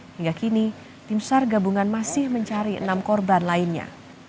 hingga kini tim sar gabungan masih mencari enam korban lainnya